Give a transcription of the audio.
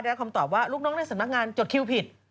คำตอบว่าลูกน้องในสำนักงานจดคิวผิด